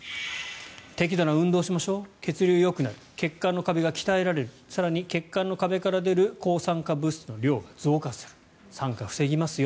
適度な運動をしましょう血流がよくなる血管の壁が鍛えられる更に血管の壁から出る抗酸化物質の量が増える酸化を防ぎます。